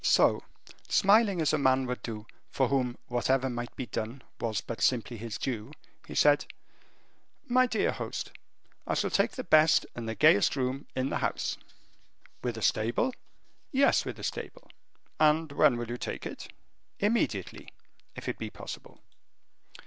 So, smiling as a man would do for whom whatever might be done was but simply his due, he said, "My dear host, I shall take the best and the gayest room in the house." "With a stable?" "Yes, with a stable." "And when will you take it?" "Immediately if it be possible."